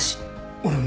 俺も。